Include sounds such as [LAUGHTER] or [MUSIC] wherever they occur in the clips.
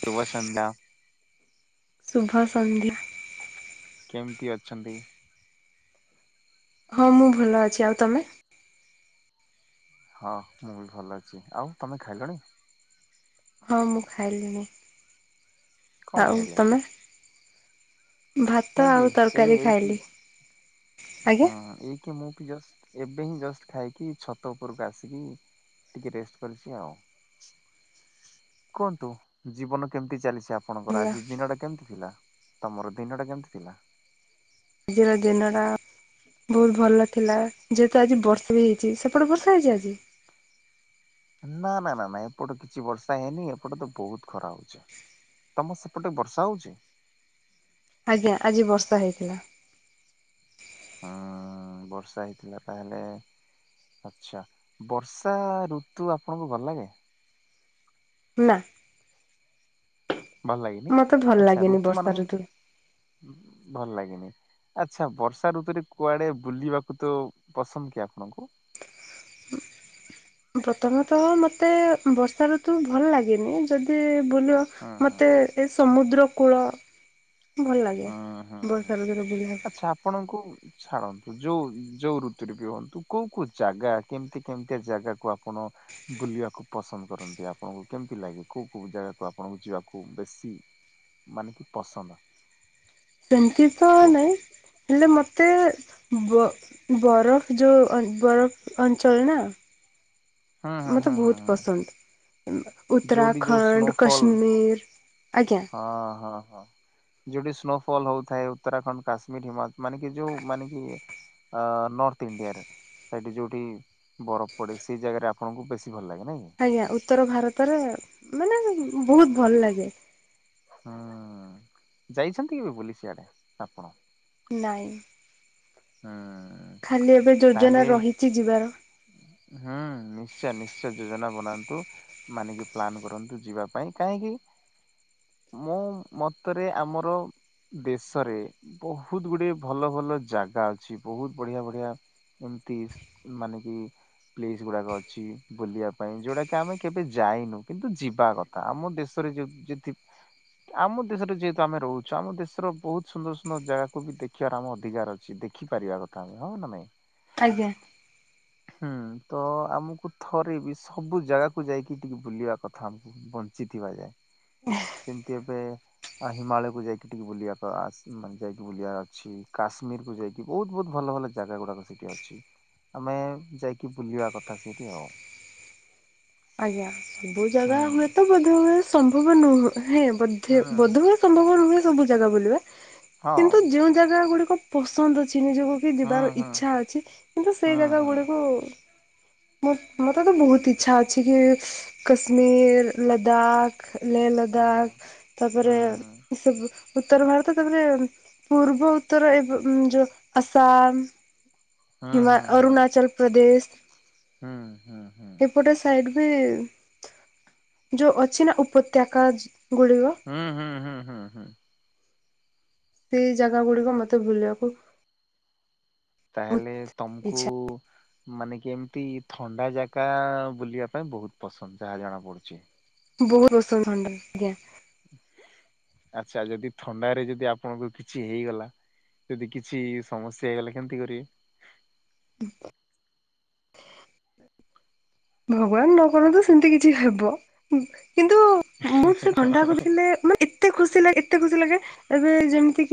ଶୁଭ ସନ୍ଧ୍ୟା। [INAUDIBLE] ଶୁଭ ସନ୍ଧ୍ୟା। କେମିତି ଅଛନ୍ତି। ହଁ ମୁଁ ଭଲ ଅଛି ଆଉ ତମେ? ହଁ ମୁଁ ବି ଭଲ ଅଛି ଆଉ ତମେ ଖାଇଲଣି। ହଁ ମୁଁ ଖାଇଲିଣି [INAUDIBLE] କଣ ଆଉ ଖାଇଲେ? ତମେ? ମୁଁ ଭାତ ବି ଆଉ ଏଇ ତରକାରୀ ଏଇକି ଖାଇଲି। [INAUDIBLE] ହଁ ଏଇକି ମୁଁ ବି ଜଷ୍ଟ ଏବେ ହିଁ ଜଷ୍ଟ ଖାଇକି ଛତ ଉପରକୁ ଆସିକି ଟିକେ ରେଷ୍ଟ କରିଛି ଆଉ [INAUDIBLE] କୁହନ୍ତୁ ଜୀବନ କେମତି ଚାଲିଛି। ଆ ଆପଣଙ୍କର ହେଲା ଆଜି ଦିନଟା କେମିତି ଥିଲା ତମର ଦିନଟା କେମିତି ଥିଲା। ଆଜିର ଦିନଟା ବହୁତ ଭଲ ଥିଲା ଯେହେତୁ ଆଜି ବର୍ଷା ବି ହେଇଛି ସେପଟେ ବର୍ଷା ହେଇଛି ଆଜି। ନା ନା ନା ନା ଏପଟେ କିଛି ବର୍ଷା ହେଇନି ଏପଟେ ତ ବହୁତ ଖରା ହଉଛି। ତମର ସେପଟେ ବର୍ଷା ହଉଛି। ଆଜ୍ଞା ଆଜି ବର୍ଷା ହେଇଥିଲା। ହୁଁ ବର୍ଷା ହେଇଥିଲା ତାହେଲେ। ଆଛା ବର୍ଷା ଋତୁ ଆପଣଙ୍କୁ ଭଲ ଲାଗେ। ନା। ଭଲ ଲାଗନି ମତେ ଭଲ ଆଚ୍ଛା ଲାଗେନି ରୁତୁ ବର୍ଷା ମାନଙ୍କ ଋତୁ। ଭିତରେ ଭଲ ଲାଗେନି। ଆଚ୍ଛା ବର୍ଷା ଋତୁରେ କୁଆଡେ ବୁଲିବାକୁ ତ ପସନ୍ଦ କି ଆପଣଙ୍କୁ? [INAUDIBLE] ପ୍ରଥମତଃ ମତେ ବର୍ଷାୠତୁ ଭଲ ଲାଗେନି ଯଦି ବୁଲ ହୁଁ ହୁଁ ମତେ ଏ ସମୁଦ୍ର କୂଳ ଭଲ ଲାଗେ ହୁଁ ହୁଁ ବର୍ଷା ଋତୁରେ ବୁଲିବାକୁ। ଆଚ୍ଛା ଆପଣଙ୍କୁ ଛାଡ଼ନ୍ତୁ। ଯୋଉ ଯୋଉ ଋତୁରେ ବି ହୁଅନ୍ତୁ କୋଉ କୋଉ ଜାଗା କେମିତି କେମିତି ଜାଗାକୁ ଆପଣ ବୁଲ ଯିବାକୁ ପସନ୍ଦ କରନ୍ତି ଆପଣଙ୍କୁ କେମିତି ଲାଗେ କୋଉ କୋଉ ଜାଗାକୁ ଆପଣଙ୍କୁ ଯିବାକୁ ବେଶୀ। ମାନେ କି ପସନ୍ଦ ସେମିତି ତ କୁହ ନାହିଁ ହେଲେ ମତେ ଏତେ ବ ବରଫ ଯୋଉ ବରଫ ଅଞ୍ଚଳ ନା ହୁଁ ହୁଁ ମତେ ହୁଁ ହୁଁ ବହୁତ ହୁଁ ପସନ୍ଦ। ଯୋଉଠି ଯୋଉ ଉତ୍ତରାଖଣ୍ଡ ସ୍ନୋଫଲ କଶ୍ମୀର ହଁ ହଁ ହଁ ଯୋଉଠି ସ୍ନୋ ଫଲ ହଉଥାଏ ଉତ୍ତରାଖଣ୍ଡ କାଶ୍ମୀର ହିମା ମାନେ କି ଯୋଉ ମାନେ କି ଅ ନର୍ଥ ଇଣ୍ଡିଆରେ ସେଇଠି ଯୋଉଠି ବରଫ ପଡେ ସେଇ ଜାଗାରେ ଆପଣଙ୍କୁ ବେଶୀ ଭଲ ଲାଗେ। ନାଇଁ କି ଆଜ୍ଞା ଉତ୍ତର ଭାରତରେ ମାନେ ବହୁତ ଭଲ ଲାଗେ। ହୁଁ ଯାଇଛନ୍ତି କି ବୁଲି ସିଆଡେ ଆପଣ? ନାହିଁ। ହୁଁ। ଖାଲି ଏବେ ଯୋଜନା ରହିଛି ଯିବାର। ହଁ। ନିଶ୍ଚୟ ନିଶ୍ଚୟ ଯୋଜନା ବନାନ୍ତୁ ମାନିକି ପ୍ଲାନ କରନ୍ତୁ ଯିବା ପାଇଁ କାହିଁକି? ମୁଁ ମତରେ ଆମର। ଦେଶରେ ବହୁତ ଗୁଡେ ଭଲ ଭଲ ଜାଗା ଅଛି। ବହୁତ ବଢିଆ ବଢିଆ ଏମତି ମାନେ କି ପ୍ଲେସ୍ ଗୁଡାକ ଅଛି ବୁଲିବା ପାଇଁ? ଯୋଉଟା କି ଆମେ କେବେ ଯାଇନୁ। କିନ୍ତୁ ଯିବା କଥା। ଆମ ଦେଶରେ ଯ ଯଠି ଆମ ଦେଶରେ ଯେହେତୁ ଆମେ ରହୁଛୁ ଆମ ଦେଶର ବହୁତ ସୁନ୍ଦର ସୁନ୍ଦର ଜାଗାକୁ ବି ଦେଖିବାର ଆମ ଅଧିକାର ଅଛି। ଦେଖିପାରିବା କଥା ହଁ ନ ନାଇଁ? ଆଜ୍ଞା। ହୁଁ ତ ଆମକୁ ଥରେ ବି ସବୁ ଜାଗାକୁ ଯାଇକି ଟିକେ ବୁଲିବା କଥା ଆମକୁ ବଞ୍ଚ ଜିିତିବା ଯାଏ ସେମତି ଏବ [UNINTELLIGIBLE] ଆ ହିମାଳୟକୁ ଯାଇକି ଟିକେ ବୁଲିବାକୁ ଯାଇକି ବୁଲିବାର ଅଛି। କାଶ୍ମୀରକୁୁ ଯାଇକି ବହୁତ ବହୁତ ଭଲ ଭଲ ଭଲ ଜାଗା ଗୁଡାକ ସେଠି ଅଛି। ଆମେ ଯାଇକି ବୁଲିବା କଥା ସେଇଠି ଆଉ। ଆଜ୍ଞା ବହୁ ହୁଁ ଜାଗା ହୁଏତ ବୋଧ ହୁଏ ସମ୍ଭବ ନୁହ। ହଁ ବୋଧେ ହୁଁ ବୋଧେ ବୋଧହୁଏ ସମ୍ଭବ ନୁହେଁ ସବୁ ଜାଗା ବୁଲିବା କିନ୍ତୁ ହଁ ଯୋଉ ଜାଗା ଗୁଡିକ ପସନ୍ଦ ଅଛି ନିଜକୁ କି ଯିବାର ହୁଁ ଇଚ୍ଛା ଅଛି କିନ୍ତୁ ହୁଁ ସେଇ ଜାଗା ହୁଁ ଗୁଡିକୁ ମୁଁ ମୋତେ ତ ବହୁତ ଇଚ୍ଛା ଅଛି କି କଶ୍ମୀର, ଲଦାଖ ଲେହ ଲଦାଖ ହୁଁ ତାପରେ ହୁଁ ଏ ସବୁ ଉତ୍ତର ଭାରତ ତାପରେ ପୂର୍ବ ଉତ୍ତର ଏ ଯୋଉ ଆସାମ ହିମା ହୁଁ ହୁଁ ହୁଁ ହୁଁ ହୁଁ ଅରୁଣାଚଳପ୍ରଦେଶ ଏପଟେ ଏବେ ଯୋଉ ଅଛି ନା ଉପତ୍ୟକା ଅଛି। ହୁଁ ହୁଁ ହୁଁ ହୁଁ ହୁ। ସେଇ ଜାଗା ଗୁଡିକ ମତେ ବୁଲିବାକୁ ବହୁତ ତାହାହେଲେ ତମକୁ ଇଚ୍ଛା ମାନେକି ଏମିତି ଥଣ୍ଡା ଜାଗା ବୁଲିବା ପାଇଁ ବହୁତ ପସନ୍ଦ ଯାହା ଜଣା ପଡୁଛି। ବହୁତ କେଶର ଥଣ୍ଡା ଆଜ୍ଞା। ଆଚ୍ଛା ଯଦି ଥଣ୍ଡାରେ ଯଦି ଆପଣଙ୍କୁ କିଛି ହେଇଗଲା। ଯଦି କିଛି ସମସ୍ୟା ହେଇଗଲା କେମିତି କରିବେ। ହୁଁ ଭଗବାନ ନ କରନ୍ତୁ ସେମିତି କିଛି ହେବ ହୁଁ। କିନ୍ତୁ ମୁଁ ସେ ଥଣ୍ଡା କୁ ଦେଖିଲେ ମାନେ ଏତେ ଖୁସି ଲାଗେ ଏତେ ଖୁସି ଲାଗେ ଏବେ ଯେମତି।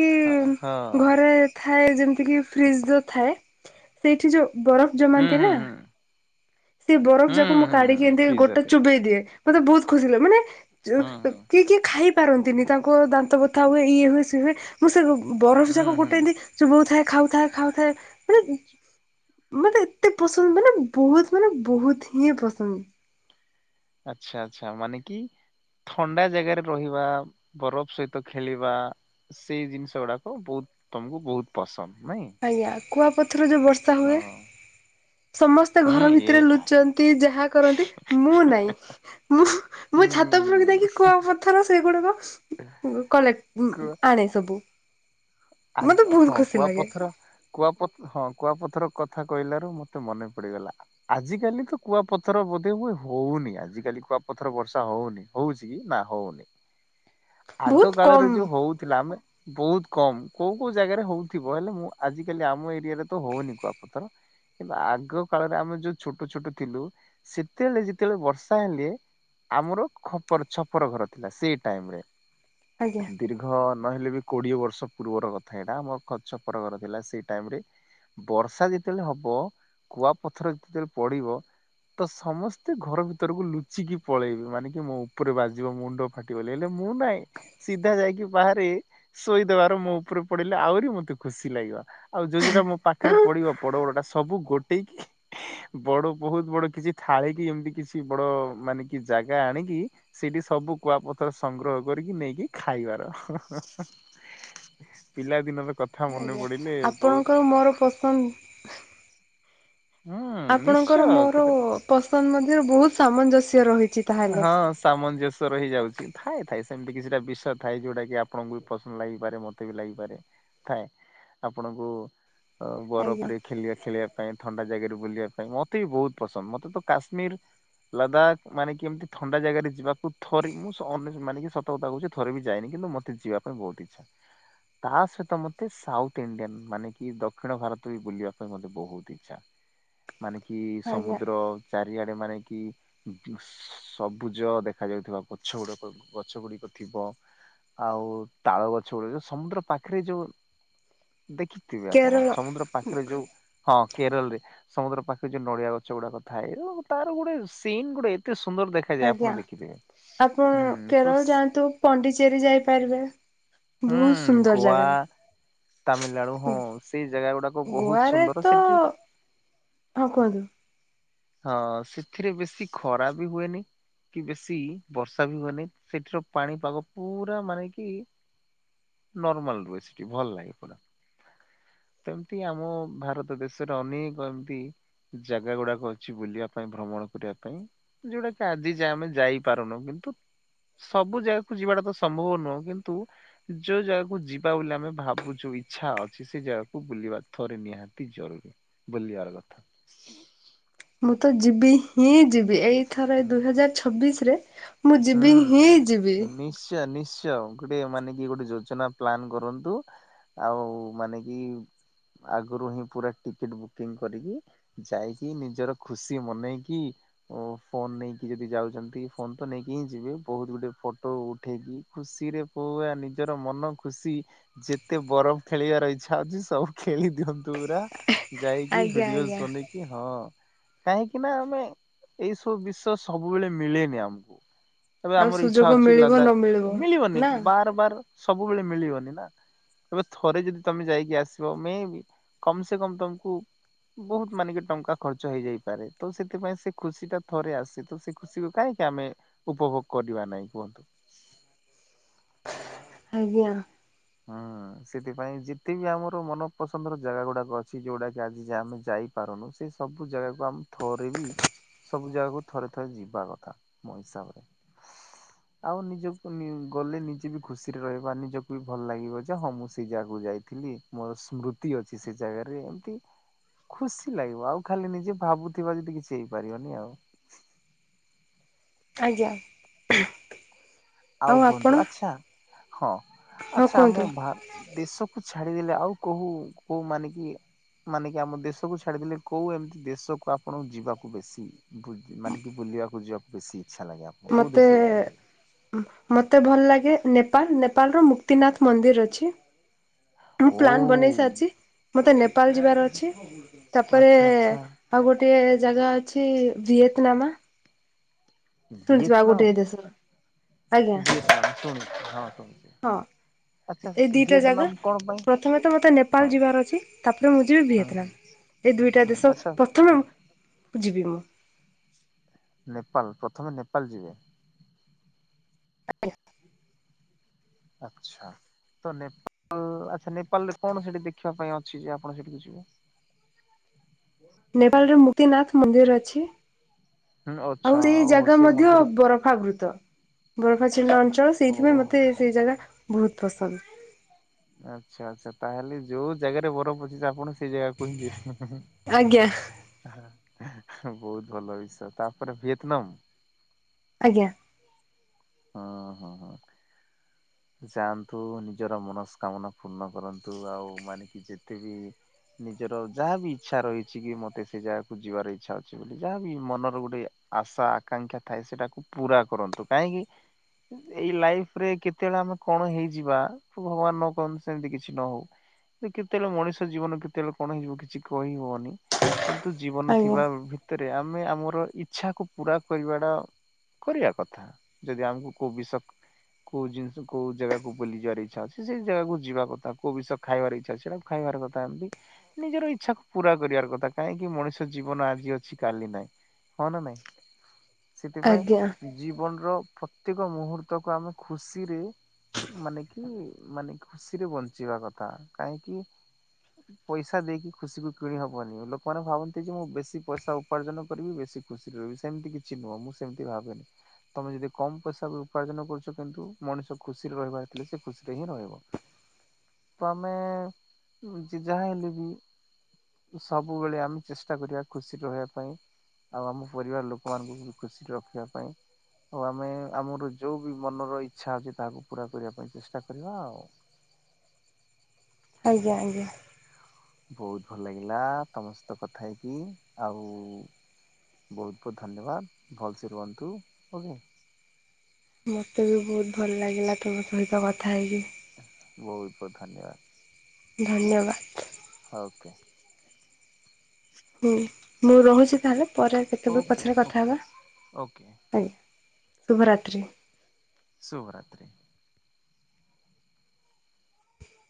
ହଁ ଯେମତି ଘରେ ଥାଏ ଯେମତି କି ଫ୍ରିଜ ଯୋଉ ଥାଏ ସେଇଠି ଯୋଉ। ବରଫ ହୁଁ ଜମାନ୍ତି ହୁଁ ନା। ହୁଁ ସେ ହୁଁ ବରଫ ହୁଁ ଯାକ ମୁଁ ହୁଁ ହୁଁ କାଢିକି ଏମତିି ଗୋଟେ ଫ୍ରିଜରରେ ଚୋବେଇ ଦିଏ ମତେ ବହୁତ ଖୁସି ଲଗେ ମାନେ। ଯୋଉ ହୁଁ ଉ ହୁଁ କିଏ କିଏ ଖାଇ ପାରନ୍ତିନି ତାଙ୍କ ଦାନ୍ତ ବଥା ହୁଏ ଇଏ ହୁଏ ସିଏ ହୁଏ ମୁଁ ସେ। ବରଫ ଯାକ ହୁଁ ହୁଁ ଗୋଟେ ଏମିତି ଚୋବଉ ଥାଏ। ଖାଉଥାଏ ଖାଉଥାଏ ମାନେ ମତେ ଏତେ ପସନ୍ଦ ମାନେ ବହୁତ। ମାନେ ବହୁତ ହିଁ ପସନ୍ଦ। ଆଚ୍ଛା ଆଛା ମାନେ କି? ଥଣ୍ଡା ଜାଗାରେ ରହିବା ବରଫ ସହିତ ଖେଳିବା। ସେଇ ଜିନିଷ ଗୁଡାକ ବହୁତ ତମକୁ ବହୁତ ପସନ୍ଦ। ନାଇଁ ଆଜ୍ଞା କୁଆ ପଥ ର ଯୋଉ ବର୍ଷା ହୁଏ ହଁ ସମସ୍ତେ ହୁଁ ଘର ଏ ଭିତରେ ଲୁଚନ୍ତି ଯାହା। କରନ୍ତି ମୁଁ ନାଇଁ ମୁଁ ହ ମୁ ଛାତଉପୁର କୁ ଯାଇକି କୁଆ ପଥର ସେଗୁଡାକ। କଲେକ୍ଟ ହୁଁ ଆଣେ ସବୁ ମତେ ବହୁତ ଖୁସି ଲାଗେ। କୁଆ ପଥ ହଁ କୁଆପଥର କଥା କହିଲାରୁ ମତେ ମନେ ପଡିଗଲା ଆଜି କାଲି ତ କୁଆପଥର। ବୋଧେ ହୁଏ ହଉନି ଆଜିିକାଲି କୁଆପଥର ବର୍ଷା ହଉନି ହଉଛି କି ନା ହଉନି। ଆଗ ବହୁତ କାଳରେ କମ୍ ଯୋଉ ହଉଥିଲା ଆମେ। ବହୁତ କମ କୋଉ କୋଉ ଜାଗାରେ ହଉଥିବ ହେଲେ ମୁଁ ଆଜିିକାଲି ଆମ ଏଇ। ରେ ତ ହଉନି କୁଆ ପଥର। କିନ୍ତୁ ଆଗ କାଳରେ ଆମେ ଯୋଉ ଛୋଟ ଛୋଟ ଥିଲୁ ସେତେ ବେଳେ ଯେତେ ବେଳେ ବର୍ଷା ହେଲେ। ଆମର ଖପର ଛପର ଘର ଥିଲା ସେ ଟାଇମ ରେ। ଆଜ୍ଞା। ଦୀର୍ଘ ନ ନହେଲେ ବି କୋଡିଏ ବର୍ଷ ପୂର୍ବର କଥା ଏଇଟା ମୋ ଖ ଛପର ଘର ଥିଲା ସେଇ ଟାଇମ ରେ। ବର୍ଷା ଯେତେବେଳେ ହବ କୁଆ ପଥର ଯେତେବେଳେ ପଡିବ। ତ ସମସ୍ତେ ଘର ଭିତରକୁ ଲୁଚିକି ପଳେଇବେ ମାନେ କି ମୋ ଉପରେ ବାଜିବ ମୁଣ୍ଡ ଫାଟିବ ଏଲେ। ମୁଁ ନହିଁ ସିଧା ଯାଇକି ବାହାରେ ଶୋଇଦବାର ମୋ ଉପରେ ପଡିଲେ ଆହୁରି ମତେ ଖୁସି ଲାଗିବା। ଆଉ ଯୋଉ ଯୋଉଟା ମୋ ପାଖରେ ପଡିବ ପଡ ବଡ ଟା ସବୁ ଗୋଟେକି। ବଡ ବହୁତ ବଡ କିଛି ଥାଳିିକି ଏମିତି କିଛି ବଡ ମାନେ କି ଜାଗା ଆଣିକି ସେଠି। ସବୁ କୁଆପଥର। ସଂଗ୍ରହ କରିକି ନେଇକି ଖାଇବାର ହଁ - ହଁ -ହଁ ପିଲାଦିନର। କଥା ମନେ ଆଜ୍ଞା ପଡିଲେ ବହୁତ ଆପଣଙ୍କର ମୋର ପସନ୍ଦ। ହୁଁ ଆପଣଙ୍କର ନିଶ୍ଚୟ ମୋର କେତେ ପସନ୍ଦ ମଧ୍ୟରେ ବହୁତ ସାମଞ୍ଜସ୍ୟ ରହିଛି। ତାହେଲେ ହଁ ସାମଞ୍ଜସ୍ୟର ହେଇଯାଉଛି ଥାଏ ଥାଏ। ସେମିତି କିଛିଟା ବିଷୟ ଥାଏ ଯୋଉଟା କି ଆପଣଙ୍କୁ ବି ପସନ୍ଦ ଲାଗିପାରେ ମତେ ବି ଲାଗିପାରେ ଥାଏ। ଆପଣଙ୍କୁ ଅ ଆଜ୍ଞା ବରଫରେ ଖେଳିବା ଖେଳିବା ପାଇଁ ଥଣ୍ଡା। ଜାଗାରେ ବୁଲିବା ପାଇଁ ମତେ ବି ବହୁତ ପସନ୍ଦ ମତେ ତ କାଶ୍ମୀର ଲଦାଖ ମାନେ। କେମିତି ଥଣ୍ଡା ଜାଗାରେ ଯିବାକୁ ଥରେ ମୁଁନ୍ୟ ମାନେି ସତର୍କତା କହୁଛି ଥରେ ବି ଯାଏନି କିନ୍ତୁ ମୋତେିବା ପାଇଁ ବହୁତ ଆଚ୍ଛା। ତା ସହିତ ମତେ ସାଉଥ ଇଣ୍ଡିଆନ୍ ମାନେ କି ଦକ୍ଷିଣ ଭାରତ ବି ବୁଲିବା ପାଇଁ ମତେ ବହୁତ ଇଚ୍ଛା। ମାନେ କି ଆଜ୍ଞା ସମୁଦ୍ର ଚାରିଆଡେ ମାନେ କି ସବୁଜ ଦେଖାଯାଉଥିବା ଗଛ ଗୁଡ ଗଛ ଗୁଡିକ ଥିବ। ଆଉ ତାଳ ଗଛ ଗୁଡ଼ିକ ଯୋଉ ସମୁଦ୍ର ପାଖରେ ଯୋଉ ଦେଖିଥିବେ ଆପଣ କେରଳ ସମୁଦ୍ର ପାଖରେ ଯୋଉ ହଁ। କେରଳ ରେ ସମୁଦ୍ର ପାଖରେ ଯୋଉ ନଡିଆ ଗଛ ଗୁଡାକ ଥାଏ ଏବଂ ତାର ଗୋଟେ ସିନ୍ ଗୋଟେ ଏତେ ସୁନ୍ଦର ଦେଖାଯାଏ ଆପଣ ଆଜ୍ଞା ଦେଖିଥିବେ। ଆପଣ ହୁଁ ତ କେରଳ ଯାଆନ୍ତୁ ପଣ୍ଡିଚେରୀ ଯାଇପାରିବେ। ବହୁତ ହୁଁ ସୁନ୍ଦର ଗୋଆ ଜାଗା। ତାମିଲନାଡୁ ହଁ ସେଇ ଜାଗା ଗୁଡାକ ବହୁତ ଗୋଆରେ ସୁନ୍ଦର ତ ସେଠି ହଁ କୁହନ୍ତୁ। ହଁ ସେଥିରେ ବେଶୀ ଖରା ବି ହୁଏନି। କି ବେଶୀ ବର୍ଷା ବି ହୁଏନି ସେଠିର ପାଣିପାଗ ପୁରା ମାନେ କି। ନର୍ମଲ ରହି ସେଟି ଭଲ ଲାଗେ ପୁରା। ତମିତି ଆମ ଭାରତ ଦେଶରେ ଅନେକ ଏମିତି ଜାଗା ଗୁଡାକ ଅଛି ବୁଲିବା ପାଇଁ ଭ୍ରମଣ କରିବା ପାଇଁ ଯଉଡା କି ଆଜି ଯ ଆମେ ଯାଇପାରୁନୁ କିନ୍ତୁ ସବୁ ଜାଗାକୁ ଯିବାଟା ତ ସମ୍ଭବ ନୁହଁ କିନ୍ତୁ ଯୋଉ ଜାଗାକୁ ଯିବା ବୋଲି ଆମେ ଭାବୁଛୁ। ଇଚ୍ଛା ଅଛି ସେ ଜାଗା ବୁଲିବା ଥରେ ନିହାତି ଜରୁରୀ ବୁଲିବାର କଥା। ମୁଁ ତ ଯିବି ହିଁ ଯିବି ଏଇଥର ଏଇ ଦୁଇ ହଜାର ଛବିଶ ରେ ମୁଁ ଯିବି ହୁଁ। ହିଁ ଯିବି। ନିଶ୍ଚୟ ନିଶ୍ଚୟ ଗୋଟେ ମାନେ କି ଗୋଟେ ଯୋଜନା ପ୍ଲାନ କରନ୍ତୁ ଆଉ ମାନେ କି ଆଗରୁ ହିଁ ପୁରା ଟିକେଟ ବୁକିଂ କରିକି ଯାଇକି ନିଜର ଖୁସି ମନେଇକି। ଓ ଫୋନ୍ ନେଇକି ଯଦି ଯାଉଛନ୍ତି ଫୋନ ତ ନେଇକି। କି ଯିବେ ବହୁତ ଗୁଟେ ଫଟୋ ଉଠେଇକି ଖୁସିରେ ପଆ ନିଜର ମନ ଖୁସି। ଯେତେ ବରଫ ଖେଳିବାର ଇଚ୍ଛା ହଉଛି ସବୁ ଖେଳି ଦିଅନ୍ତୁ ପୁରା। ଯାଇକି ଆଜ୍ଞା ଭିଡିଓ ଆଜ୍ଞା ଶୁନେଇକି ହଁ। କାହିଁକି ନା ଆମେ ଏଇ ସବୁ ବିଷୟ ସବୁବେଳେ ମିଳେନି ଆମକୁ। ଏବେ ଆଉ ଆମର ଇଚଛା ସୁଯୋଗ ଅଛି ମିଳିବ ଲଦାଖ ନ ମିଳିବ ମିଳିବନି ନା ବାର ବାର ସବୁବେଳେ ମିଳିବନି ନା? ଏବେ ଥରେ ଯଦି ତମେ ଯାଇକି ଆସିବ ମ କମ ସେ କମ ତମକୁ ବହୁତ ମାନେକ ଟଙ୍କା ଖର୍ଚ୍ଚ ହେଇଯାଇପାରେ ତ ସେଥିପାଇଁ ସେ ଖୁସି ଟା ଥରେ ଆସେ ତ ସେ ଖୁସି କାହିଁକି? ଆମେ ଉପଭୋଗ କରିବା ନାଇଁ କୁହନ୍ତୁ। ଆଜ୍ଞା। ହୁଁ ସେଥିପାଇଁ ଯେତେ ବିି ଆମର ମନ ପସନ୍ଦର ଜାଗା ଗୁଡାକ ଅଛି ଯଉଗଡାକ କି ଆଜି ଆମେ ଯାଇପାରୁନୁ ସେ ସବୁ ଜାଗାକୁ ଆମ ଥରିବି। ସବୁ ଜାଗାକୁ ଥରେ ଥରେ ଯିବା କଥା ମୋ ହିସାବ ରେ। ଆଉ ନିଜକୁ ଗଲେ ନିଜେ ବି ଖୁସିରେ ରହିବା ନିଜକୁ ଭଲ ଲାଗିବ ଯେ ହଁ ମୁଁ ସେ ଜାଗାକୁ ଯାଇଥିଲି ମୋର ସ୍ମୃତି ଅଛି ସେ ଜାଗାରେ ଏମତି। ଖୁସି ଲାଗିବ ଆଉ ଖାଲି ନିଜେ ଭାବୁଥିବା ଯଦି କିଛି ହେଇପାରିବନି ଆଉ। ଆଜ୍ଞା। ଆଉ କୁହନ୍ତୁ ଆଚ୍ଛା ହଁ ହଁ ଆଚ୍ଛା ଆମ କୁହନ୍ତୁ ଦେଶକୁ ଛାଡିଦେଲେ ଆଉ କହୁ କୋଉ ମାନେ କି ମାନେ କି ଆମ ଦେଶକୁ ଛାଡିଦେଲେ କୋଉ ଏମିତି ଦେଶକୁ ଆପଣଙ୍କୁ ଯିବାକୁ ବେଶୀ ବୁ ମାନେ କି ବୁ ବୁଲିବାକୁ ଯିବାକୁ ବେଶୀ ଇଛା ଲାଗେ ଆପଣଙ୍କୁ କୋଉ ମତେ ଦେଶକୁ ଭଲ ଲାଗେ। ମତେ ଭଲ ଲାଗେ ନେପାଳ ନେପାଳର ମୁକ୍ତିନାଥ ମନ୍ଦିର ଅଛି। ଟୁ ଓ ପ୍ଲାନ୍ ବନେଇ ସାରିଚି ମତେ ନେପାଳ ଯିବାର ଅଛି। ତାପରେ ଆଚ୍ଛା ଆଚ୍ଛା ଆଉ ଗୋଟେ ଜାଗା ଅଛି ଭିଏତନାମ। ଶୁଣିଥିବ ଆଉ ଭିଏତନାମ ଗୋଟେ ଏ ଦେଶର। ଭିଏତନାମ ଶୁଣିଛି ହଁ ଶୁଣିୁଛି। ହଁ ଏଇ ଦିଟା ଜାଗା ପ୍ରଥମେ ତ ମତେ ହଁ ନେପାଳ ଯିବାର ଅଛି ତାପରେ ମୁଁ ଯିବି ହୁଁ ହୁଁ ଭିଏତନାମ। ଏଇ ଦୁଇଟା ହୁଁ ଦେଶ ଆଚ୍ଛା ପ୍ରଥମେ ଯିବି ମୁଁ। ନେପାଳ ପ୍ରଥମେ ନେପାଳ ଯିବେ। ଆଜ୍ଞା। ଆଚ୍ଛା। ତ ନେପାଳ ଆଚ୍ଛା ନେପାଳ ରେ କଣ ସେଠି ଦେଖିବା ପାଇଁ ଅଛି ଯେ ଆପଣ ସେଠିକୁ ଯିବେ। ନେପାଳରେ ମୁକ୍ତିନାଥ ମନ୍ଦିର ଅଛି। ହୁଁ ଆଚ୍ଛା ଆଉ ସେଇ ଓହୋ ଜାଗା ସେ ମଧ୍ୟ ମନ୍ଦିର ବରଫା ବୃତ। ବରଫା ିଲ ଅଞ୍ଚଳ ଓହୋ ସେଇଥିପାଇଁ ମତେ ହୋ। ସେଇ ଜାଗା ବହୁତ ପସନ୍ଦ। ଆଚ୍ଛା ଆଚ୍ଛା ତାହେଲେ ଯୋଉ ଜାଗାରେ ବରଫ ଅଛି ଆପଣ ସେ ସେ ଜାଗାକୁ ହିଁ ଯିବ ହୁ ହୁ। ଆଜ୍ଞା। ବହୁତ ଭଲ ବିଷ ତାପରେ ଭିଏତନମ। ଆଜ୍ଞା। ହୁଁ ହୁଁ ହୁଁ। ଯାଆନ୍ତୁ ନିଜର ମନସ୍କାମନା ପୂର୍ଣ୍ଣ କରନ୍ତୁ ଆଉ ମାନେ କି ଯେତେ ବି। ନିଜର ଯାହା ବିି ଇଚ୍ଛା ରହିଚି କି ମତେ ସେ ଜାଗାକୁ ଯିବାର ଇଚ୍ଛା ଅଛି ବୋଲି ଯାହାବି ମନର ଗୋଟେ ଆଶା ଆକାଂକ୍ଷା ଥାଏ ସେଟାକୁ ପୁରା କରନ୍ତୁ କାହିଁକି ଏଇ ଲାଇଫ୍ ରେ କେ କେତେବେଳେ ଆମେ କଣ ହେଇଯିବା ଭଗବାନ ନ କରନ୍ତୁ ସେମତି କିଛି ନ ହଉ। କେତେବେଳେ ମଣିଷ ଜୀବନ କେତେବେଳେ କଣ ହେଇଯିବ କିଛି କହିିବବନି। କିନ୍ତୁ ଜୀବନ ଆଜ୍ଞା ଥିବା ଭିତରେ ଆମେ ଆମର ଇଚ୍ଛାକୁ ପୁର କରିବାଟା କରିବା କଥା ଯଦି ଆମକୁ କୋଉ ବିଷ କୋଉ ଜିନି କେଉଁ ଜାଗାକୁ ବୁଲି ଯିବାର ଇଚ୍ଛା ଅଛି ସେଇ ଜାଗାକୁ ଯିବା କଥା କେଉ ବିଷୟ ଖାଇବ ଇଚ୍ଛା ଅଛି ସେଟା ଖାଇବ କଥା ଏମିତି ନିଜର ଇଚ୍ଛା କୁ ପୁରା କରିବାର କଥା କାହିଁକି ମଣିଷ ଜୀବନ ଆଜି ଅଛି କାଲି ନାହିଁ। ହଁନା ନାଇଁ। ଆଜ୍ଞା ସେଥିପାଇଁ ଜୀବନର ପ୍ରତ୍ୟେକ ମୁହୂର୍ତ୍ତକୁ ଆମେ ଖୁସିରେ ମାନେ କି ମାନେ ଖୁସିରେ ବଞ୍ଚିବା କଥା କାହିଁକି ପଇସା ଦେଇକି ଖୁସିକୁ କିଣି ହବନି ଲୋକମାନେ ଭାବନ୍ତି ଯେ ମୁଁ ବେଶୀ ପଇସା ଉପାର୍ଜନ କରିବି ବେଶୀ ଖୁସିରେ ରହିବି ସେମିତି କିଛି ନୁହଁ ମୁଁ ସେମିତି ଭାବେନି। ତମେ ଯଦି କମ୍ ପଇସା ଉପାର୍ଜନ କରୁଛ କିନ୍ତୁ ମଣିଷ ଖୁସିରେ ରହିବାର ଥିଲେ ସେ ଖୁସିରେ ହିଁ ରହିବ। ତ ଆମେ ଯାହା ହେଲେବି ସବୁବେଳେ ଆମେ ଚେଷ୍ଟା କରିବା ଖୁସିରେ ରହିବା ପାଇଁ। ଆଉ ଆମ ପରିବାର ଲୋକମାନଙ୍କୁ ଖୁସିରେ ରଖିବା ପାଇଁ ଓ ଆମେ ଆମର ଯୋଉ ବି ମନର ଇଚ୍ଛା ଅଛି ତାକୁ ପୁରା କରିବା ପାଇଁ ଚେଷ୍ଟା କରିବା ଆଉ। ଆଜ୍ଞା ଆଜ୍ଞା। ବହୁତ ଭଲ ଲାଗିଲା ତମସଇତ କଥା ହେଇକି ଆଉ। ବହୁତ ବହୁତ ଧନ୍ୟବାଦ ଭଲସେ ରୁହନ୍ତୁ ଓକେ। ମତେ ବି ବହୁତ ଭଲ ଲାଗିଲା ତମ ସହିତ କଥା ହେଇକି। ବହୁତ ବହୁତ ଧନ୍ୟବାଦ। ଧନ୍ୟବାଦ। ଓକେ। ହୁଁ ମୁଁ ରହୁଛି ତାହେଲେ ପରେ କେତେବେଳେ ଓକେ ପଛରେ କଥା ଓକେ ହେବା ଓକେ ଆଜ୍ଞା। ଶୁଭ ରାତ୍ରୀ। ଶୁଭ ରାତ୍ରୀ।